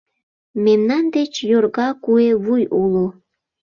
Мемнан деч йорга куэ вуй уло.